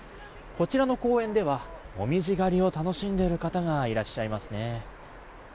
こちらの公園では紅葉狩りを楽しんでいる方がいらっしゃいますね。